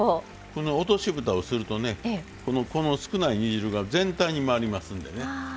落としぶたをするとこの少ない煮汁が全体に回りますんでね。